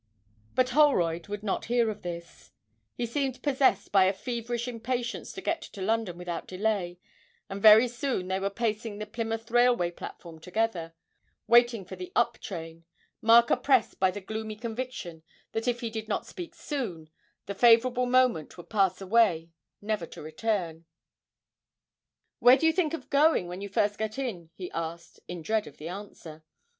But Holroyd would not hear of this; he seemed possessed by a feverish impatience to get to London without delay, and very soon they were pacing the Plymouth railway platform together, waiting for the up train, Mark oppressed by the gloomy conviction that if he did not speak soon, the favourable moment would pass away, never to return. 'Where do you think of going to first when you get in?' he asked, in dread of the answer.